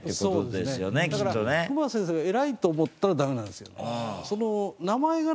だから隈先生が偉いと思ったらダメなんですよ。